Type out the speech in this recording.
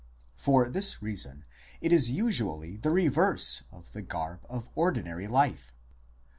For this reason it is usually the reverse of the garb of ordinary life